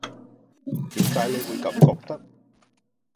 點解你會咁覺得